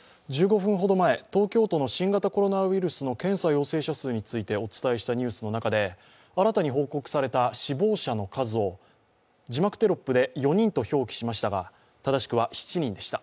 １５分ほど前、東京都の新型コロナウイルスの検査陽性者数をお伝えしたニュースの中で新たに報告された死亡者の数を字幕テロップで４人と表記しましたが、正しくは７人でした。